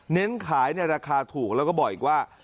เน้นขายในราคาถูกแล้วก็บอกอีกว่า